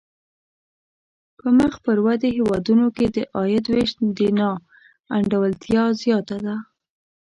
په مخ پر ودې هېوادونو کې د عاید وېش نا انډولتیا زیاته ده.